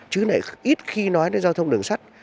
chứ này ít khi nói đến giao thông đường sắt